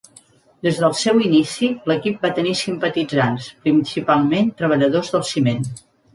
Des del seu inici, l'equip va tenir simpatitzants, principalment treballadors del ciment.